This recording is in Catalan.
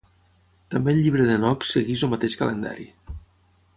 També el Llibre d'Henoc segueix el mateix calendari.